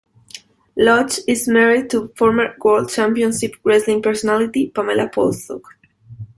Lodge is married to former World Championship Wrestling personality, Pamela Paulshock.